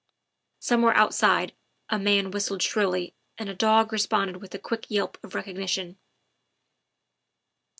Somewhere outside a man whistled shrilly and a dog responded with a quick yelp of recognition.